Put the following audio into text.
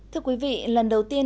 thưa quý vị lần đầu tiên